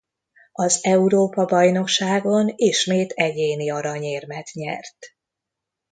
Az Európa-bajnokságon ismét egyéni aranyérmet nyert.